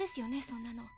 そんなの。